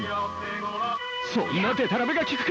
そんなでたらめが効くか！